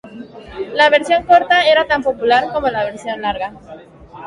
La versión corta era tan popular como la versión larga.